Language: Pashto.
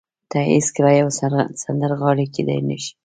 ته هېڅکله يوه سندرغاړې کېدای نه شې.